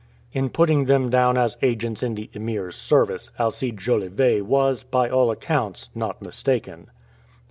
In putting them down as agents in the Emir's service, Alcide Jolivet was, by all accounts, not mistaken.